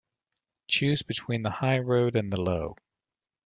Choose between the high road and the low.